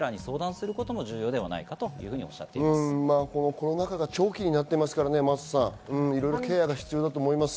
コロナ禍は長期になってますからね、いろんなケアが必要だと思います。